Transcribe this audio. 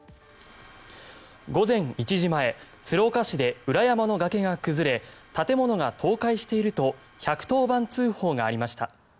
午前１時前、鶴岡市で裏山の崖が崩れ建物が倒壊していると１１０番通報がありました。